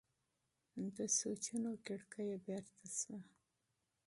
د سوچونو کړکۍ یې بېرته شوه.